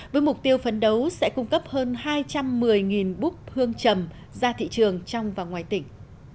với mục tiêu phấn đấu sẽ cung cấp hơn hai trăm một mươi búp thương trầm ra thị trường trong và ngoài tỉnh